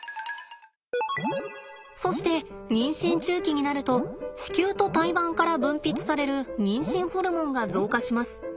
そして妊娠中期になると子宮と胎盤から分泌される妊娠ホルモンが増加します。